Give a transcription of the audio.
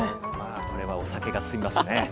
まあこれはお酒が進みますね。